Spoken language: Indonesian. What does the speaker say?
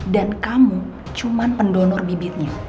dan kamu cuman pendonor bibitnya